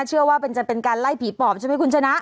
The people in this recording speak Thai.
เชื่อว่าจะเป็นการไล่ผีปอบใช่ไหมคุณชนะ